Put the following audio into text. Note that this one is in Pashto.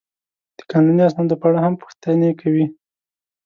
د قانوني اسنادو په اړه هم پوښتنې کوي.